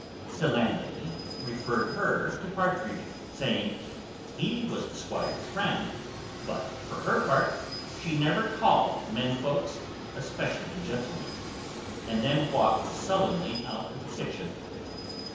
The landlady referred her to Partridge, saying, "he was the squire's friend: but, for her part, she never called men folks, especially gentlemen," and then walked sullenly out of the kitchen.